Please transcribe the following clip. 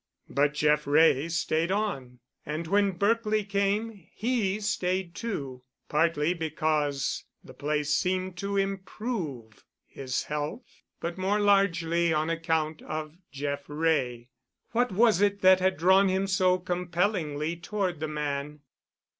But Jeff Wray stayed on. And when Berkely came, he stayed, too, partly because the place seemed to improve his health, but more largely on account of Jeff Wray. What was it that had drawn him so compellingly toward the man?